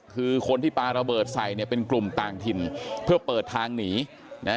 คือคนที่ปลาระเบิดใส่เนี่ยเป็นกลุ่มต่างถิ่นเพื่อเปิดทางหนีนะฮะ